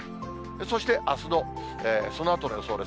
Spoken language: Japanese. そしてあすのそのあとの予想です。